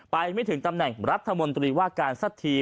ไม่ถึงตำแหน่งรัฐมนตรีว่าการสักที